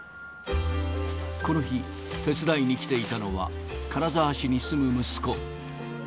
この日、手伝いに来ていたのは、金沢市に住む息子。